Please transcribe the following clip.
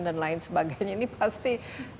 dan lain sebagainya ini pasti